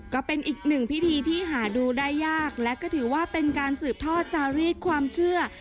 ก็เป็นอีกหนึ่งพิธีที่หาดูได้ยากและก็ถือว่าเป็นการสืบทอดจารีดความเชื่อ